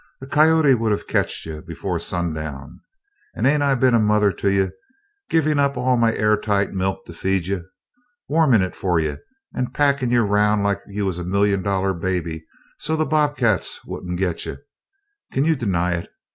A coyote would a ketched you before sundown. And ain't I been a mother to you, giving up all my air tight milk to feed you? Warmin' it fer you and packin' you 'round like you was a million dollar baby so the bobcats won't git you kin you deny it?